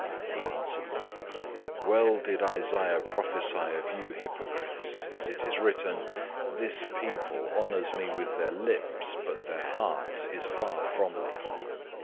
007:006 He answered them, "Well did Isaiah prophesy of you hypocrites, as it is written, 'This people honors me with their lips, but their heart is far from me.